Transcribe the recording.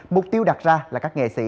mục tiêu đặt ra là các nghệ sĩ